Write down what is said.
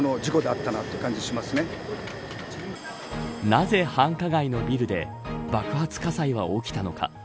なぜ繁華街のビルで爆発火災が起きたのか。